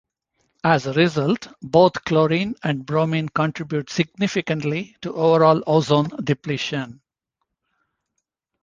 As a result, both chlorine and bromine contribute significantly to overall ozone depletion.